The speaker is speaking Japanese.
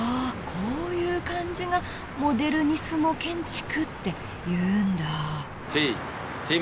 こういう感じがモデルニスモ建築っていうんだ！